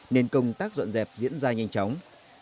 nên công tác dọn dẹp diễn ra nhanh chóng